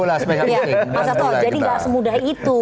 tidak semudah itu